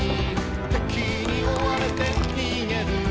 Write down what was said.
「敵に追われて逃げる」